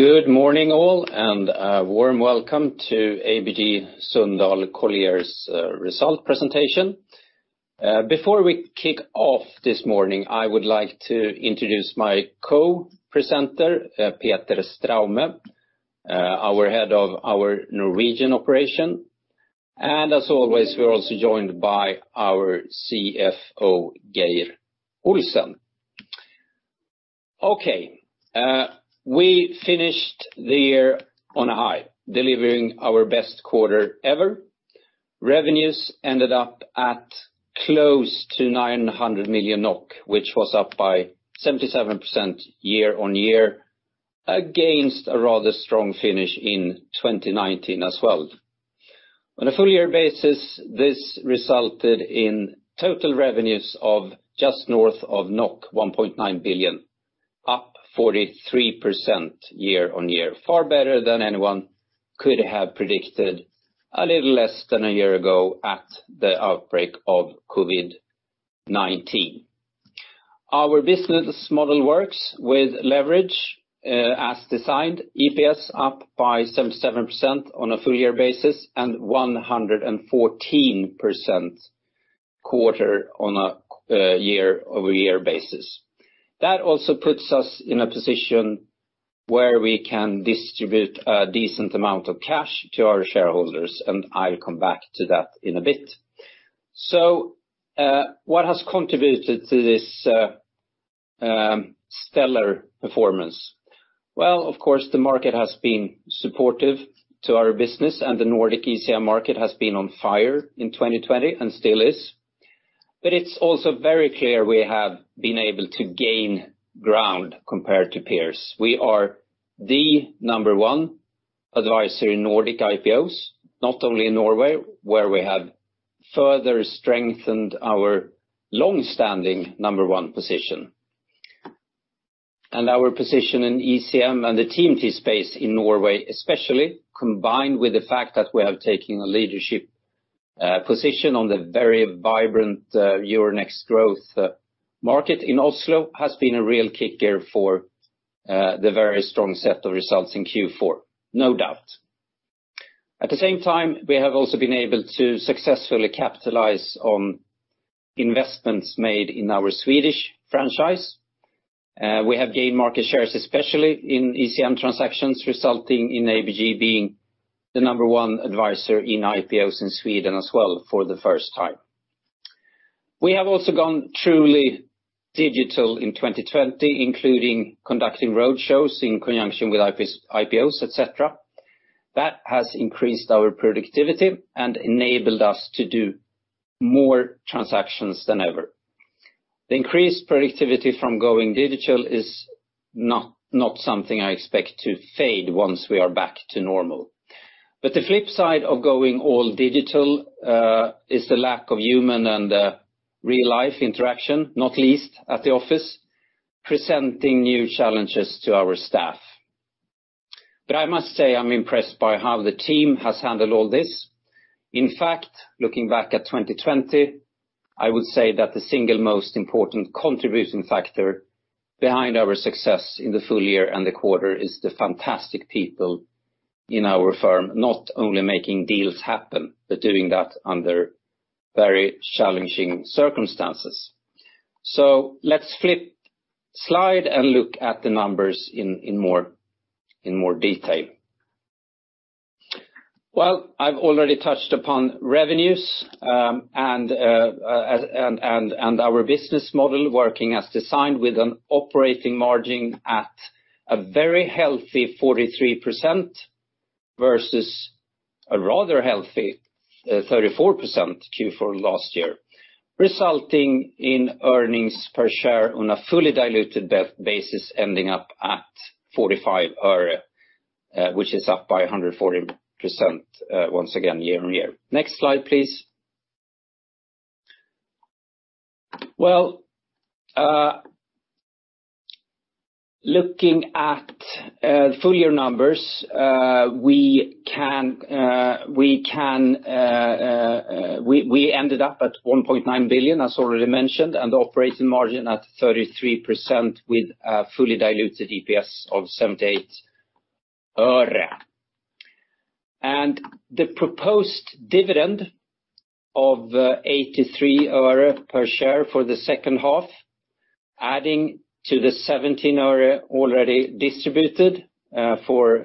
Good morning, all, and a warm welcome to ABG Sundal Collier's result presentation. Before we kick off this morning, I would like to introduce my co-presenter, Peter Straume, our head of our Norwegian operation. And as always, we're also joined by our CFO, Geir Olsen. Okay, we finished the year on a high, delivering our best quarter ever. Revenues ended up at close to 900 million NOK, which was up by 77% year on year, against a rather strong finish in 2019 as well. On a full-year basis, this resulted in total revenues of just north of 1.9 billion, up 43% year on year, far better than anyone could have predicted a little less than a year ago at the outbreak of COVID-19. Our business model works with leverage as designed, EPS up by 77% on a full-year basis and 114% quarter on a year-over-year basis. That also puts us in a position where we can distribute a decent amount of cash to our shareholders, and I'll come back to that in a bit. So what has contributed to this stellar performance? Well, of course, the market has been supportive to our business, and the Nordic ECM market has been on fire in 2020 and still is. But it's also very clear we have been able to gain ground compared to peers. We are the number one advisor in Nordic IPOs, not only in Norway, where we have further strengthened our long-standing number one position. And our position in ECM and the TMT space in Norway, especially, combined with the fact that we have taken a leadership position on the very vibrant Euronext Growth market in Oslo, has been a real kicker for the very strong set of results in Q4, no doubt. At the same time, we have also been able to successfully capitalize on investments made in our Swedish franchise. We have gained market shares, especially in ECM transactions, resulting in ABG being the number one advisor in IPOs in Sweden as well for the first time. We have also gone truly digital in 2020, including conducting roadshows in conjunction with IPOs, etc. That has increased our productivity and enabled us to do more transactions than ever. The increased productivity from going digital is not something I expect to fade once we are back to normal. But the flip side of going all digital is the lack of human and real-life interaction, not least at the office, presenting new challenges to our staff. But I must say I'm impressed by how the team has handled all this. In fact, looking back at 2020, I would say that the single most important contributing factor behind our success in the full year and the quarter is the fantastic people in our firm, not only making deals happen, but doing that under very challenging circumstances. Let's flip the slide and look at the numbers in more detail. I've already touched upon revenues and our business model working as designed with an operating margin at a very healthy 43% versus a rather healthy 34% Q4 last year, resulting in earnings per share on a fully diluted basis ending up at øre 45, which is up by 140% once again year on year. Next slide, please. Looking at full-year numbers, we ended up at 1.9 billion, as already mentioned, and operating margin at 33% with a fully diluted EPS of øre 78. The proposed dividend of øre 83 per share for the second half, adding to the øre 17 already distributed for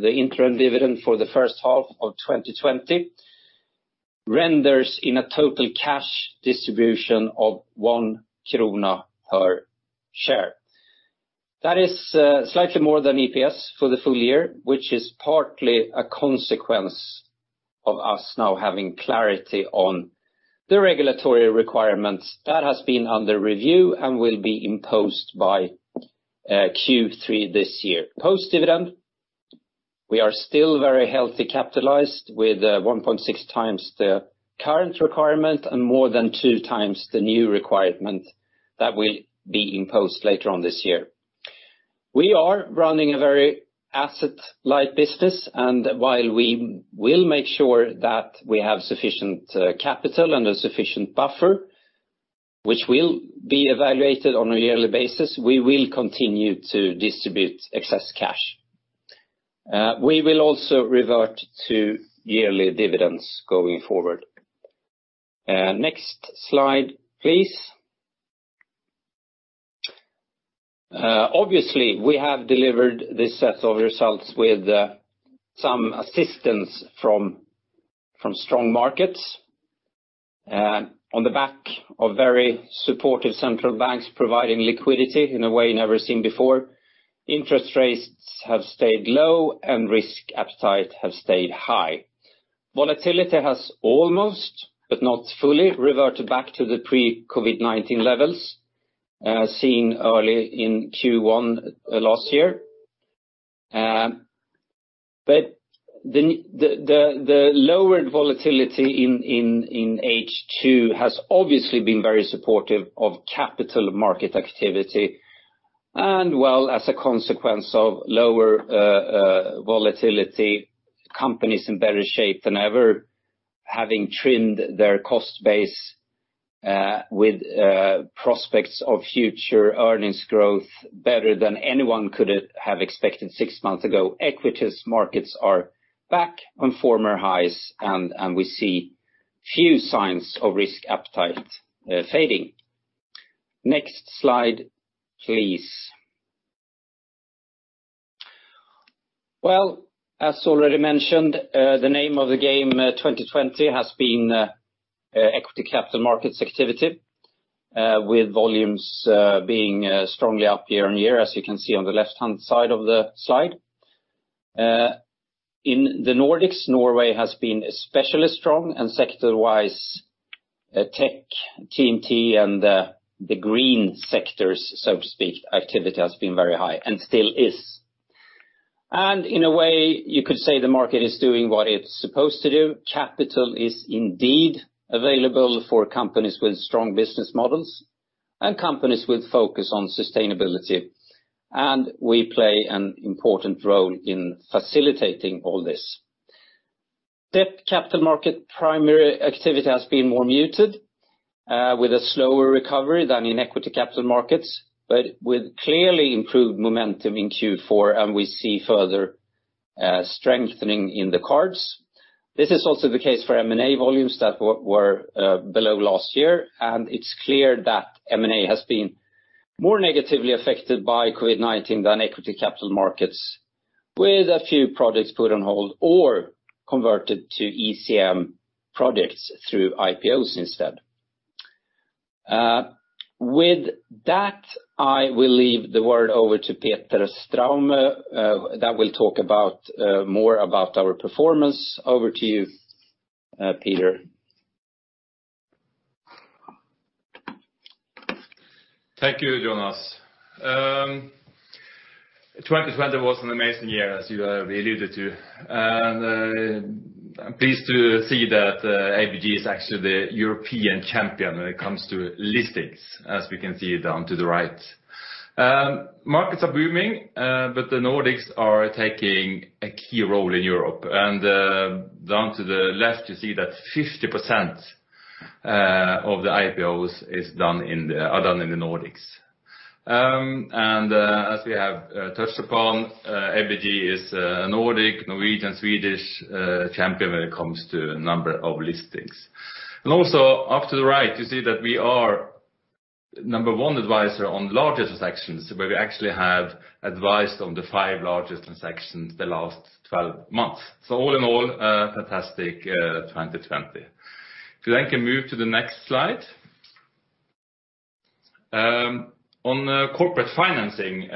the interim dividend for the first half of 2020, renders in a total cash distribution of 1 krone per share. That is slightly more than EPS for the full year, which is partly a consequence of us now having clarity on the regulatory requirements that has been under review and will be imposed by Q3 this year. Post-dividend, we are still very healthy capitalized with 1.6 times the current requirement and more than two times the new requirement that will be imposed later on this year. We are running a very asset-light business, and while we will make sure that we have sufficient capital and a sufficient buffer, which will be evaluated on a yearly basis, we will continue to distribute excess cash. We will also revert to yearly dividends going forward. Next slide, please. Obviously, we have delivered this set of results with some assistance from strong markets. On the back of very supportive central banks providing liquidity in a way never seen before, interest rates have stayed low and risk appetite has stayed high. Volatility has almost, but not fully, reverted back to the pre-COVID-19 levels seen early in Q1 last year. But the lowered volatility in H2 has obviously been very supportive of capital market activity. And, well, as a consequence of lower volatility, companies in better shape than ever, having trimmed their cost base with prospects of future earnings growth better than anyone could have expected six months ago, equities markets are back on former highs, and we see few signs of risk appetite fading. Next slide, please. As already mentioned, the name of the game 2020 has been equity capital markets activity, with volumes being strongly up year on year, as you can see on the left-hand side of the slide. In the Nordics, Norway has been especially strong, and sector-wise, tech, TMT, and the green sectors, so to speak, activity has been very high and still is. In a way, you could say the market is doing what it's supposed to do. Capital is indeed available for companies with strong business models and companies with focus on sustainability. We play an important role in facilitating all this. Debt capital market primary activity has been more muted, with a slower recovery than in equity capital markets, but with clearly improved momentum in Q4, and we see further strengthening in the cards. This is also the case for M&A volumes that were below last year, and it's clear that M&A has been more negatively affected by COVID-19 than equity capital markets, with a few projects put on hold or converted to ECM projects through IPOs instead. With that, I will leave the word over to Peter Straume that will talk more about our performance. Over to you, Peter. Thank you, Jonas. 2020 was an amazing year, as you alluded to. And I'm pleased to see that ABG is actually the European champion when it comes to listings, as we can see down to the right. Markets are booming, but the Nordics are taking a key role in Europe. And down to the left, you see that 50% of the IPOs are done in the Nordics. And as we have touched upon, ABG is a Nordic, Norwegian, Swedish champion when it comes to the number of listings. And also, up to the right, you see that we are number one advisor on larger transactions, where we actually have advised on the five largest transactions the last 12 months. So all in all, a fantastic 2020. If you then can move to the next slide. On corporate financing,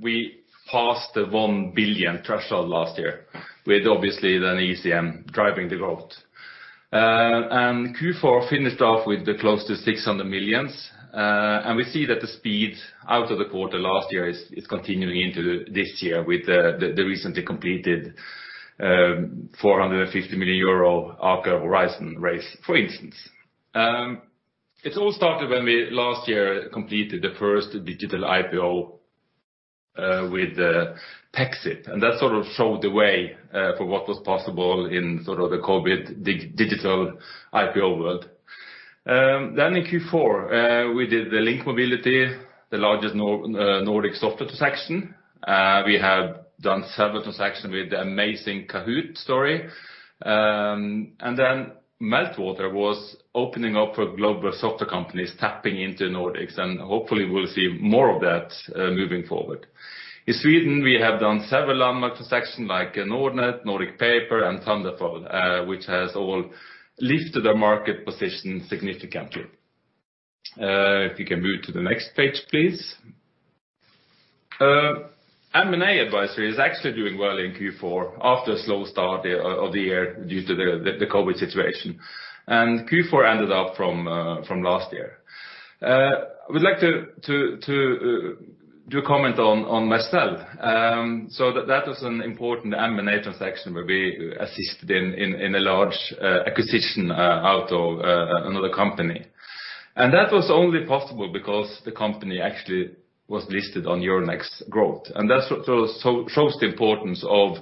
we passed the 1 billion threshold last year, with obviously then ECM driving the growth. And Q4 finished off with close to 600 million. And we see that the speed out of the quarter last year is continuing into this year with the recently completed 450 million euro Aker Horizons raise, for instance. It all started when we last year completed the first digital IPO with Pexip. And that sort of showed the way for what was possible in sort of the COVID digital IPO world. Then in Q4, we did the Link Mobility, the largest Nordic software transaction. We have done several transactions with the amazing Kahoot! story. And then Meltwater was opening up for global software companies tapping into Nordics, and hopefully we'll see more of that moving forward. In Sweden, we have done several landmark transactions like Nordnet, Nordic Paper, and Thunderful, which has all lifted their market position significantly. If you can move to the next page, please. M&A advisory is actually doing well in Q4 after a slow start of the year due to the COVID situation, and Q4 ended up from last year. I would like to do a comment on Mercell, so that was an important M&A transaction where we assisted in a large acquisition out of another company, and that was only possible because the company actually was listed on Euronext Growth. And that shows the importance of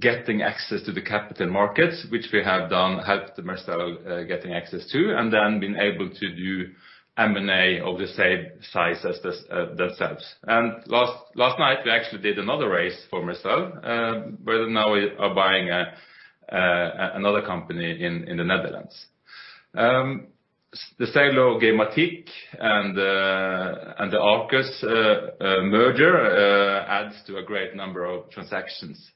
getting access to the capital markets, which we have done helped Mercell getting access to, and then been able to do M&A of the same size as themselves. Last night, we actually did another raise for Mercell, where now we are buying another company in the Netherlands. The Kahoot! M&A and the Arcus merger adds to a great number of transactions.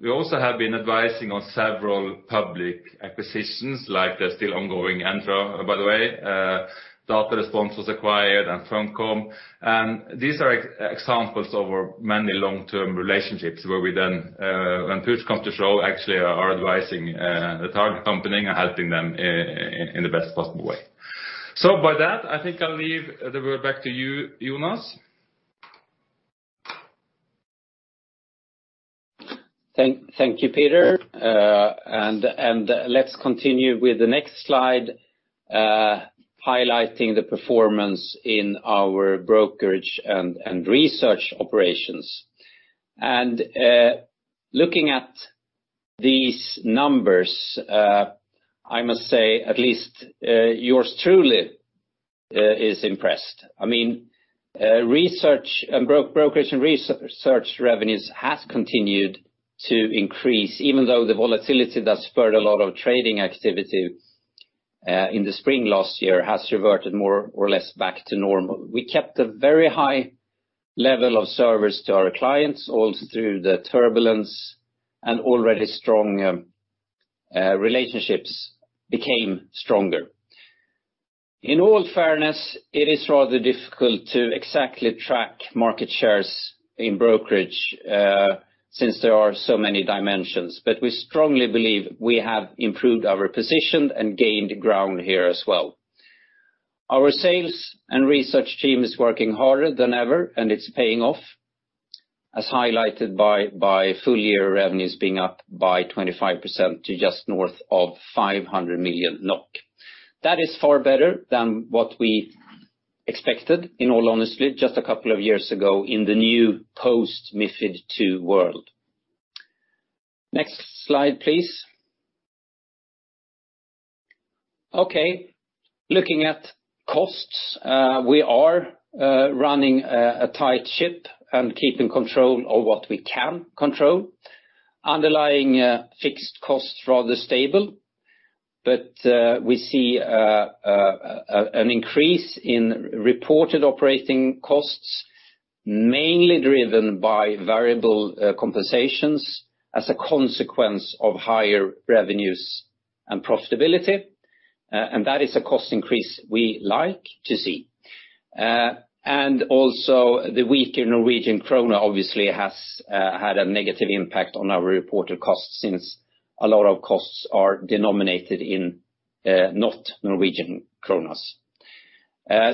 We also have been advising on several public acquisitions, like the still ongoing Entra, by the way, Data Respons acquired, and Funcom. These are examples of our many long-term relationships where we then, when push comes to shove, actually are advising the target company and helping them in the best possible way. By that, I think I'll hand the word back to you, Jonas. Thank you, Peter. Let's continue with the next slide, highlighting the performance in our brokerage and research operations. Looking at these numbers, I must say, at least yours truly is impressed. I mean, research and brokerage and research revenues have continued to increase, even though the volatility that spurred a lot of trading activity in the spring last year has reverted more or less back to normal. We kept a very high level of service to our clients, also through the turbulence, and already strong relationships became stronger. In all fairness, it is rather difficult to exactly track market shares in brokerage since there are so many dimensions, but we strongly believe we have improved our position and gained ground here as well. Our sales and research team is working harder than ever, and it's paying off, as highlighted by full-year revenues being up by 25% to just north of 500 million NOK. That is far better than what we expected, in all honesty, just a couple of years ago in the new post MiFID II world. Next slide, please. Okay. Looking at costs, we are running a tight ship and keeping control of what we can control. Underlying fixed costs are rather stable, but we see an increase in reported operating costs, mainly driven by variable compensations as a consequence of higher revenues and profitability. And that is a cost increase we like to see. And also, the weaker Norwegian krona obviously has had a negative impact on our reported costs since a lot of costs are denominated in not Norwegian kronas.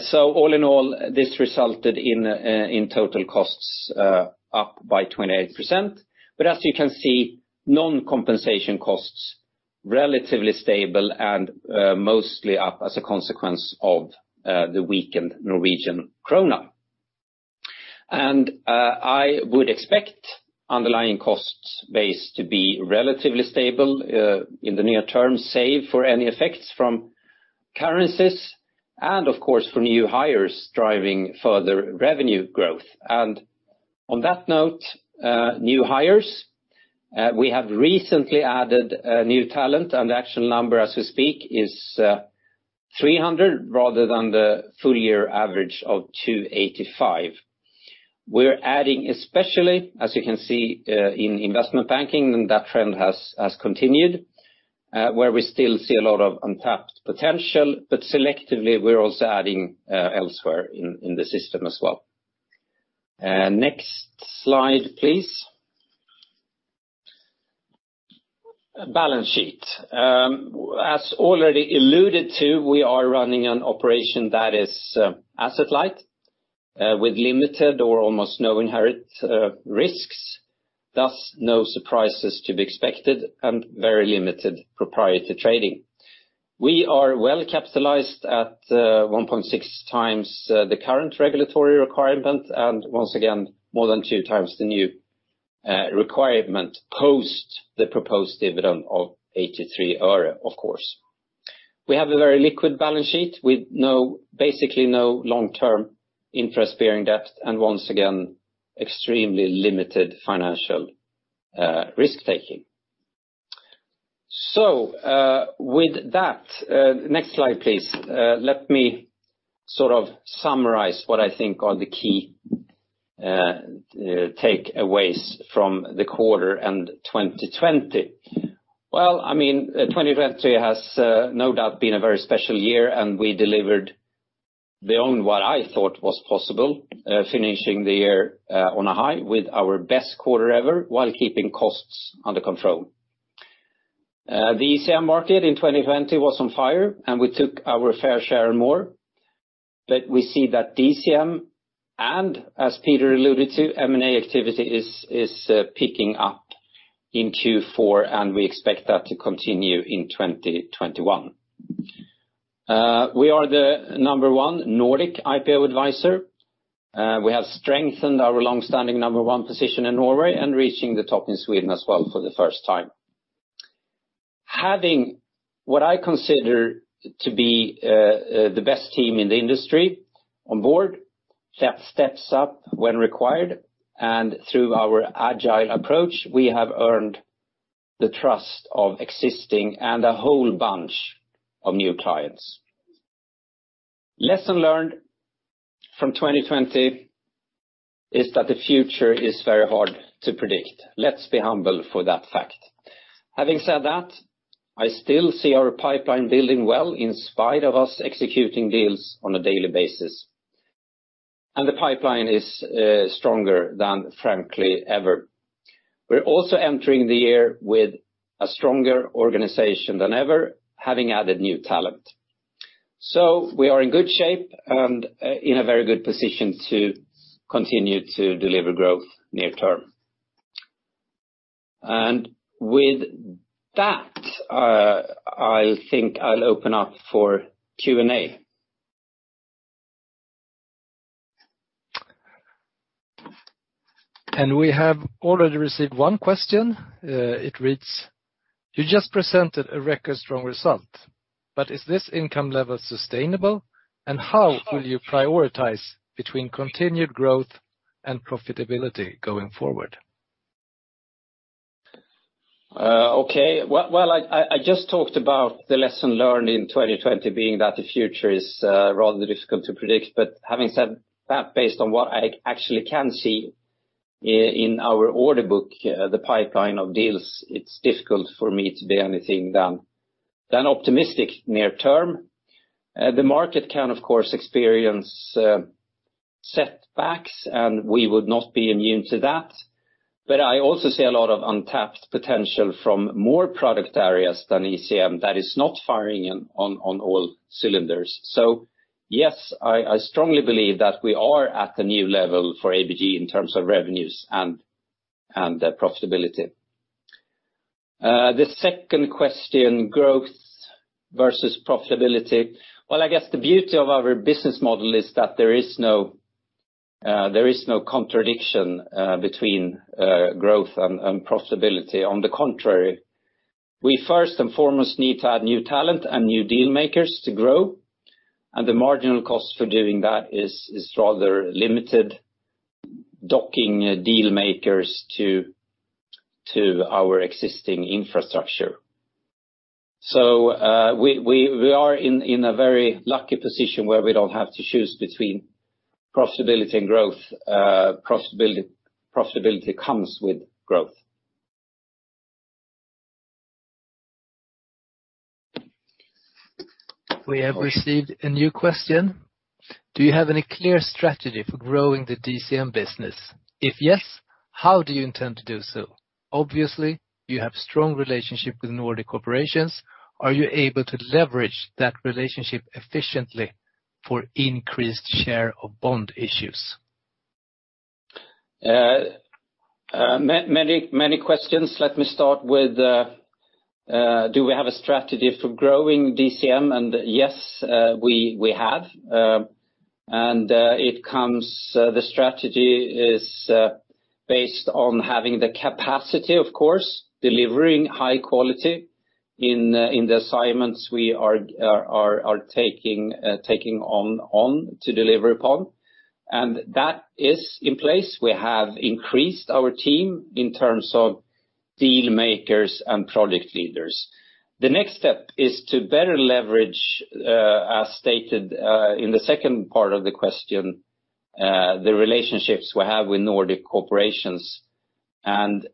So all in all, this resulted in total costs up by 28%. But as you can see, non-compensation costs are relatively stable and mostly up as a consequence of the weakened Norwegian krona. And I would expect underlying cost base to be relatively stable in the near term, save for any effects from currencies and, of course, for new hires driving further revenue growth. And on that note, new hires, we have recently added new talent, and the actual number as we speak is 300 rather than the full-year average of 285. We're adding especially, as you can see, in investment banking, and that trend has continued, where we still see a lot of untapped potential, but selectively, we're also adding elsewhere in the system as well. Next slide, please. Balance sheet. As already alluded to, we are running an operation that is asset-light with limited or almost no inherent risks. Thus, no surprises to be expected and very limited proprietary trading. We are well capitalized at 1.6 times the current regulatory requirement and, once again, more than two times the new requirement post the proposed dividend of 83 øre, of course. We have a very liquid balance sheet with basically no long-term interest-bearing debt and, once again, extremely limited financial risk-taking. So with that, next slide, please. Let me sort of summarize what I think are the key takeaways from the quarter and 2020. Well, I mean, 2020 has no doubt been a very special year, and we delivered beyond what I thought was possible, finishing the year on a high with our best quarter ever while keeping costs under control. The ECM market in 2020 was on fire, and we took our fair share more. But we see that DCM and, as Peter alluded to, M&A activity is picking up in Q4, and we expect that to continue in 2021. We are the number one Nordic IPO advisor. We have strengthened our long-standing number one position in Norway and reaching the top in Sweden as well for the first time. Having what I consider to be the best team in the industry on board, that steps up when required, and through our agile approach, we have earned the trust of existing and a whole bunch of new clients. Lesson learned from 2020 is that the future is very hard to predict. Let's be humble for that fact. Having said that, I still see our pipeline building well in spite of us executing deals on a daily basis. The pipeline is stronger than, frankly, ever. We're also entering the year with a stronger organization than ever, having added new talent. We are in good shape and in a very good position to continue to deliver growth near term. With that, I think I'll open up for Q&A. We have already received one question. It reads, "You just presented a record-strong result, but is this income level sustainable, and how will you prioritize between continued growth and profitability going forward? Okay. Well, I just talked about the lesson learned in 2020 being that the future is rather difficult to predict. But having said that, based on what I actually can see in our order book, the pipeline of deals, it's difficult for me to be anything than optimistic near term. The market can, of course, experience setbacks, and we would not be immune to that. But I also see a lot of untapped potential from more product areas than ECM that is not firing on all cylinders. So yes, I strongly believe that we are at a new level for ABG in terms of revenues and profitability. The second question, growth versus profitability. Well, I guess the beauty of our business model is that there is no contradiction between growth and profitability. On the contrary, we first and foremost need to add new talent and new dealmakers to grow. The marginal cost for doing that is rather limited, adding dealmakers to our existing infrastructure. We are in a very lucky position where we don't have to choose between profitability and growth. Profitability comes with growth. We have received a new question. "Do you have any clear strategy for growing the DCM business? If yes, how do you intend to do so? Obviously, you have a strong relationship with Nordic corporations. Are you able to leverage that relationship efficiently for increased share of bond issues? Many questions. Let me start with, do we have a strategy for growing DCM? And yes, we have. And the strategy is based on having the capacity, of course, delivering high quality in the assignments we are taking on to deliver upon. And that is in place. We have increased our team in terms of dealmakers and project leaders. The next step is to better leverage, as stated in the second part of the question, the relationships we have with Nordic corporations. And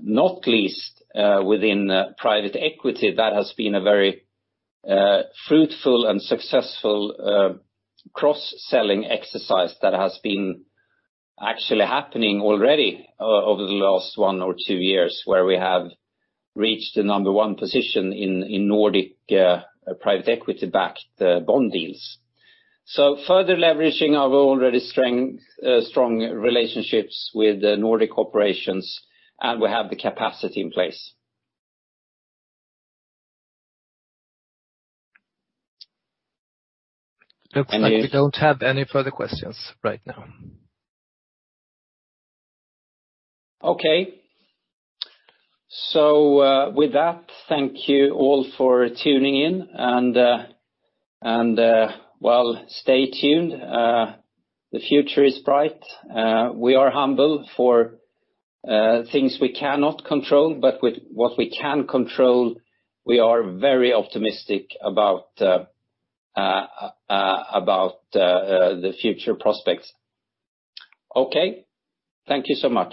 not least within private equity, that has been a very fruitful and successful cross-selling exercise that has been actually happening already over the last one or two years, where we have reached the number one position in Nordic private equity-backed bond deals. So further leveraging our already strong relationships with Nordic corporations, and we have the capacity in place. Looks like we don't have any further questions right now. Okay, so with that, thank you all for tuning in, and while stay tuned, the future is bright. We are humble for things we cannot control, but with what we can control, we are very optimistic about the future prospects. Okay. Thank you so much.